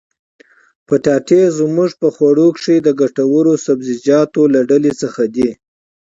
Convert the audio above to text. پټاټې زموږ په خوړو کښي د ګټورو سبزيجاتو له ډلي څخه دي.